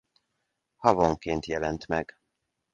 Havonként jelent meg.